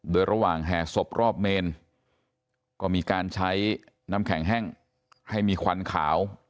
โดยระหว่างแห่ศพรอบเมนก็มีการใช้น้ำแข็งแห้งให้มีควันขาว